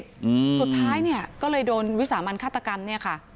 อืมสุดท้ายเนี้ยก็เลยโดนวิสามันฆาตกรรมเนี่ยค่ะ